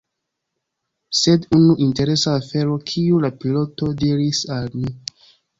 Sed unu Interesa afero kiu la piloto diris al ni.